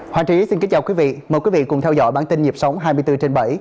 hòa trí xin kính chào quý vị mời quý vị cùng theo dõi bản tin nhịp sống hai mươi bốn trên bảy